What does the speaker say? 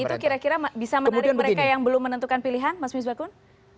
dan itu kira kira bisa menarik mereka yang belum menentukan pilihan